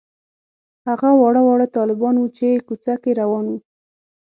هغه واړه واړه طالبان وو چې کوڅه کې روان وو.